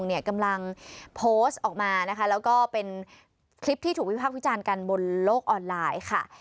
เนี่ยกำลังโพสต์ออกมานะคะแล้วก็เป็นคลิปที่ถูกวิพากษ์วิจารณ์กันบนโลกออนไลน์ค่ะ